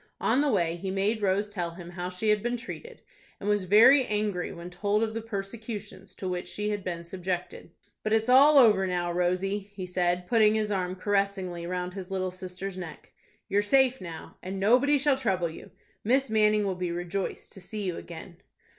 On the way he made Rose tell him how she had been treated, and was very angry when told of the persecutions to which she had been subjected. "But it's all over now, Rosy," he said, putting his arm caressingly round his little sister's neck, "you're safe now, and nobody shall trouble you. Miss Manning will be rejoiced to see you again."